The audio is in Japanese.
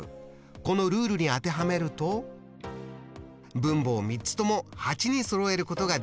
このルールに当てはめると分母を３つとも８にそろえることができるってことですね。